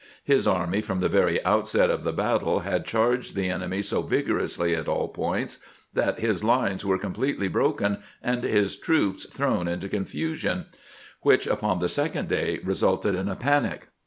His army from the very outset of the battle had charged the enemy so vigorously at all points that his lines were completely broken and his troops thrown into confusion, which, upon the second day, resulted in a panic.